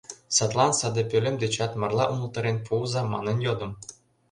Садлан саде пӧлем дечат «марла умылтарен пуыза» манын йодын.